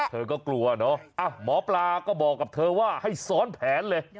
เธอก็กลัวเนอะหมอปลาก็บอกกับเธอว่าให้ซ้อนแผนเลย